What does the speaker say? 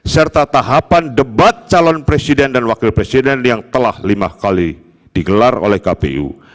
serta tahapan debat calon presiden dan wakil presiden yang telah lima kali digelar oleh kpu